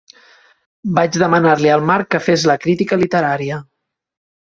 Vaig demanar-li al Mark que fes la crítica literària.